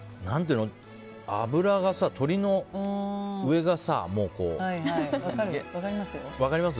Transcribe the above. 脂が鶏の上がもう、分かります？